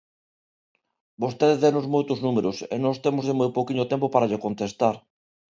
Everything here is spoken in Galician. Vostede deunos moitos números e nós témoslle moi pouquiño tempo para lle contestar.